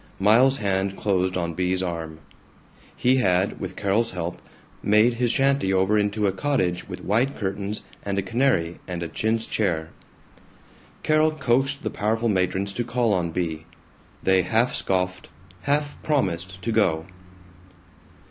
Miles's hand closed on Bea's arm. He had, with Carol's help, made his shanty over into a cottage with white curtains and a canary and a chintz chair. Carol coaxed the powerful matrons to call on Bea. They half scoffed, half promised to go.